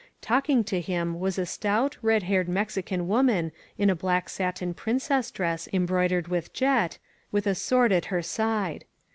Talking to him was a stout, red haired Mexican woman in a black satin princess dress embroidered with jet, with a sword at her side.